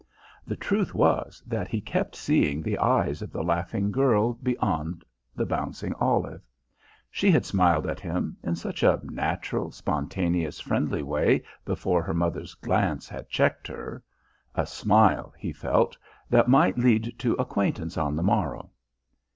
The truth was that he kept seeing the eyes of the laughing girl beyond the bouncing olive. She had smiled at him in such a natural, spontaneous, friendly way before her mother's glance had checked her a smile, he felt, that might lead to acquaintance on the morrow.